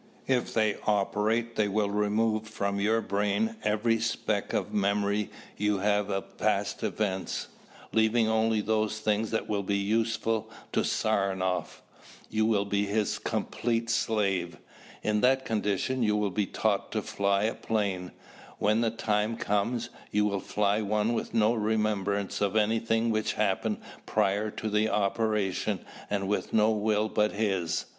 If they operate they will remove from your brain every speck of memory you have of past events, leaving only those things that will be useful to Saranoff. You will be his complete slave. In that condition you will be taught to fly a plane. When the time comes, you will fly one with no remembrance of anything which happened prior to the operation and with no will but his.